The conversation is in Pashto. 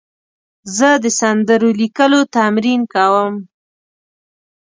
زه د سندرو لیکلو تمرین کوم.